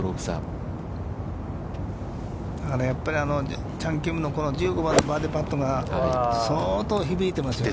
だからやっぱりチャン・キムのこの１５番のバーディーパットが相当響いてますよ。